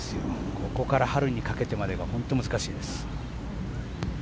ここから春にかけてまでが本当に難しいです。